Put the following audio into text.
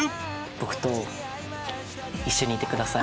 僕と一緒にいてください。